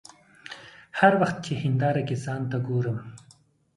هر وخت چې هنداره کې ځان ته ګورم.